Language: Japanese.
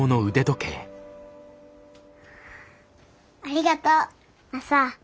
ありがとうマサ。